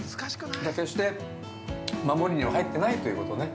決して守りには入ってないということね。